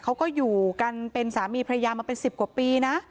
เขาก็อยู่กันเป็นสามีพระยามาเป็น๑๐กว่าปีนะ